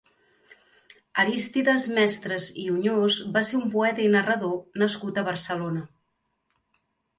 Arístides Mestres i Oñós va ser un poeta i narrador nascut a Barcelona.